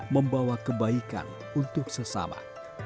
membawa kebaikan untuk sesama